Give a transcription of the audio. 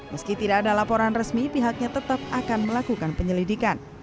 meski tidak ada laporan resmi pihaknya tetap akan melakukan penyelidikan